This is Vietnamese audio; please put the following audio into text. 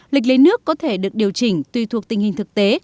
lịch lấy nước có thể được điều chỉnh tùy thuộc tình hình thực tế